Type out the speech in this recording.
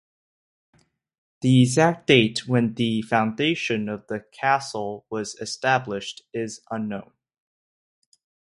The exact date when the foundation of the castle was established is unknown.